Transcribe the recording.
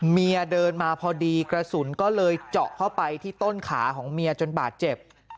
เมียเดินมาพอดีกระสุนก็เลยเจาะเข้าไปที่ต้นขาของเมียจนบาดเจ็บ